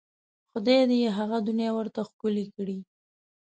خدای دې یې هغه دنیا ورته ښکلې کړي.